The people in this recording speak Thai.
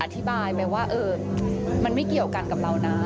อธิบายไหมว่ามันไม่เกี่ยวกันกับเรานะ